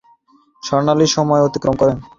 তিনি তার স্বর্ণালী সময় অতিক্রম করেন।